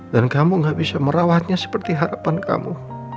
dan kamu gak bisa merawatnya seperti harapan kamu